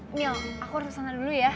niel aku harus urusan dulu ya